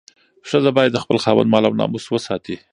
ښځه باید د خپل خاوند مال او ناموس وساتي.